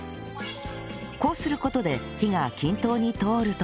こうする事で火が均等に通るというのです